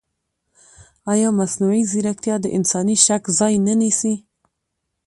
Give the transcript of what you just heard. ایا مصنوعي ځیرکتیا د انساني شک ځای نه نیسي؟